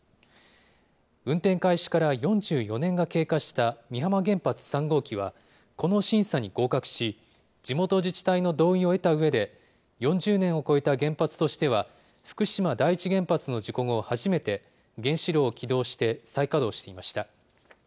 運転開始から４４年が経過した美浜原発３号機は、この審査に合格し、地元自治体の同意を得たうえで、４０年を超えた原発としては、福島第一原発の事故後初めて原子炉を起動して再稼働していました。